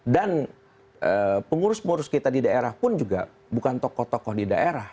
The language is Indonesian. dan pengurus pengurus kita di daerah pun juga bukan tokoh tokoh di daerah